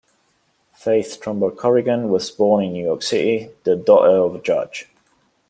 Faith Trumbull Corrigan was born in New York City, the daughter of a judge.